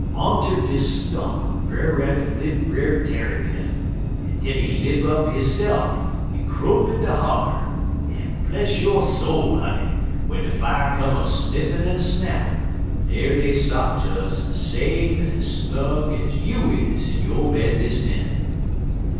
Onter dis stump Brer Rabbit lif' Brer Tarrypin, en den he lip up hisse'f en crope in de holler, en, bless yo' soul, honey, w'en de fier come a snippin' en a snappin', dar dey sot des ez safe en ez snug ez you iz in yo' bed dis minnit.